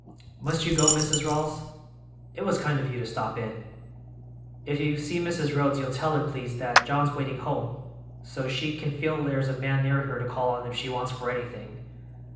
"Must you go, Mrs. Rawls? It was kind of you to stop in. If you see Mrs. Rhodes you'll tell her, please, that John's waiting home so's she can feel there's a man near her to call on if she wants for anything."